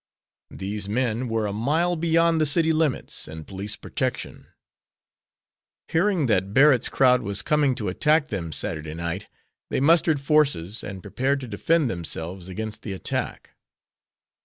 These men were a mile beyond the city limits and police protection; hearing that Barrett's crowd was coming to attack them Saturday night, they mustered forces, and prepared to defend themselves against the attack.